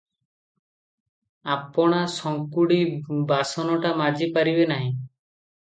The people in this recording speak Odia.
ଆପଣା ସଙ୍କୁଡ଼ି ବାସନଟା ମାଜି ପାରିବେ ନାହିଁ?